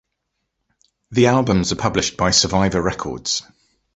The albums are published by Survivor Records.